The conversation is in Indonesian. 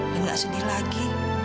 dan gak sedih lagi